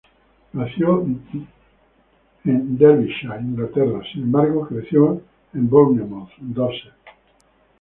Nació Derbyshire, Inglaterra, sin embargo, creció en Bournemouth, Dorset.